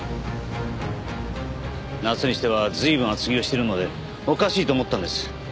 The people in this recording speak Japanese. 夏にしては随分厚着をしてるのでおかしいと思ったんです。